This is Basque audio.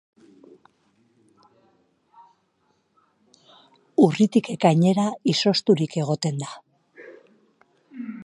Urritik ekainera izozturik egoten da.